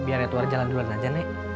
biar ya keluar jalan duluan aja nek